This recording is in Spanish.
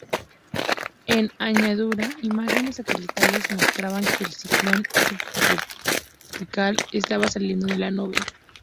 En añadidura, imágenes satelitales mostraban que el ciclón subtropical estaba saliendo de la nube.